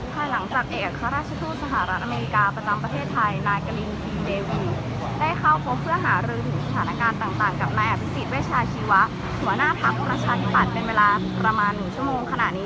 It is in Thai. หลังจากเอกสารราชธุสหรัฐอเมริกาประจำประเทศไทยนายกะลินพีมเดวิได้เข้าพบเพื่อหารึงสถานการณ์ต่างกับนายอาพิสิทธิ์เวชาชีวะหัวหน้าผักประชาธิปันเป็นเวลาระมานหนึ่งชั่วโมงขนาดนี้